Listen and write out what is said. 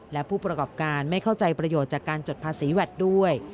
และผู้ประกอบการไม่เข้าใจประโยชน์จากการจดภาษีแวดด้วย